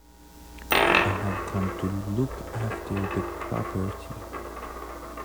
I have come to look after the property.